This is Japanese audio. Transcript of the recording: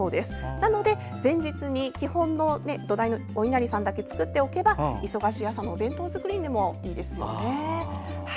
なので、前日に基本の土台のおいなりさんだけ作っておけば忙しい朝のお弁当作りにもいいですよね。